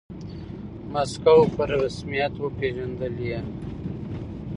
موسکو په رسميت وپیژندلې.